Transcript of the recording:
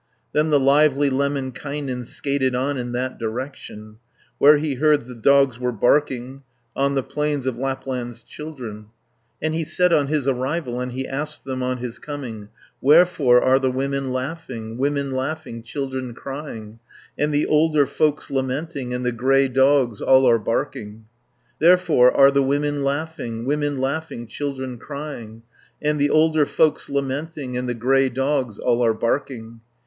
Then the lively Lemminkainen Skated on in that direction, Where he heard the dogs were barking On the plains of Lapland's children; And he said on his arrival, And he asked them on his coming: 180 "Wherefore are the women laughing, Women laughing, children crying, And the older folks lamenting, And the grey dogs all are barking?" "Therefore are the women laughing, Women laughing, children crying, And the older folks lamenting, And the grey dogs all are barking.